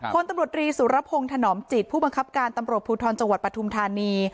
คนตำรวจรีสุรพงศ์ถนอมจิตผู้บังคับการตำรวจภูทรจังหวัดปฐุมธานี